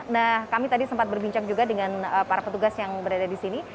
nah kami tadi sempat berbincang juga dengan para petugas yang berada di sini